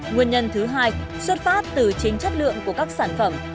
nguyên nhân thứ hai xuất phát từ chính chất lượng của các sản phẩm